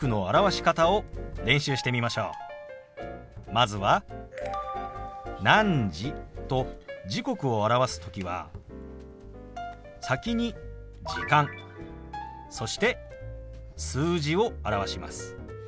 まずは「何時」と時刻を表す時は先に「時間」そして数字を表します。